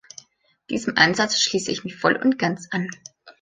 Diesem Ansatz schließe ich mich voll und ganz an.